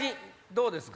どうですか？